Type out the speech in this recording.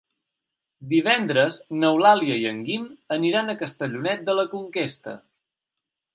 Divendres n'Eulàlia i en Guim aniran a Castellonet de la Conquesta.